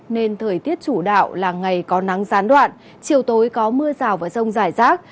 nên thời tiết chủ đạo là ngày có nắng gián đoạn chiều tối có mưa rào và rông rải rác